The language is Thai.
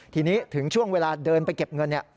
ทีนี้ถึงช่วงเวลาเดินไปเก็บเงินเนี่ย